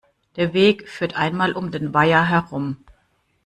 Der Weg führt einmal um den Weiher herum.